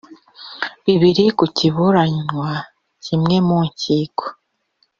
Bibiri ku kiburanwa kimwe mu nkiko